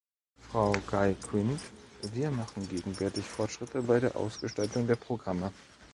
Frau Guy-Quint, wir machen gegenwärtig Fortschritte bei der Ausgestaltung der Programme.